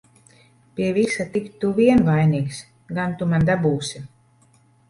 Pie visa tik tu vien vainīgs! Gan tu man dabūsi!